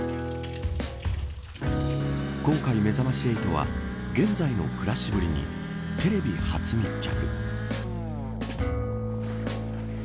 今回、めざまし８は現在の暮らしぶりにテレビ初密着。